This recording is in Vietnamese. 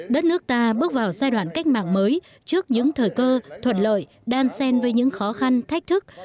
đất nước ta bước vào giai đoạn cách mạng mới trước những thời cơ thuận lợi đan sen với những khó khăn thách thức